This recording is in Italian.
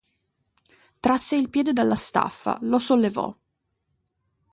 Trasse il piede dalla staffa, lo sollevò.